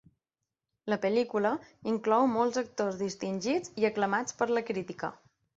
La pel·lícula inclou molts actors distingits i aclamats per la crítica.